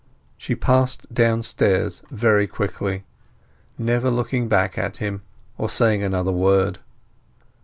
She passed downstairs very quickly, never looking back at him or saying another word.